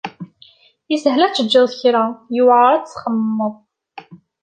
Yeshel ad tgeḍ kra, yewεer ad txemmemeḍ.